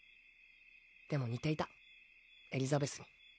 でも似ていたエリザベスに。